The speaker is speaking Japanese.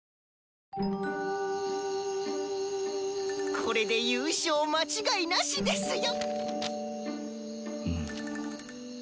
これで優勝間違いなしですよ！